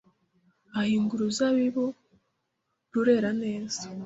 ahinga uruzabibu rurera neza